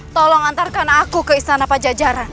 tolong antarkan aku ke istana pajajaran